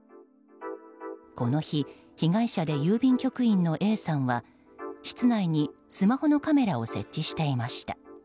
この日被害者で郵便局員のＡさんは室内にスマホのカメラを設置していました。